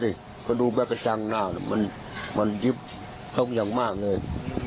เดี๋ยวดูกระจั่งหน้ามันมันยืบตรงอย่างมากเลย